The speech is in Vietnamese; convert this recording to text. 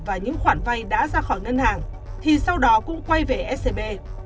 và những khoản vay đã ra khỏi ngân hàng thì sau đó cũng quay về scb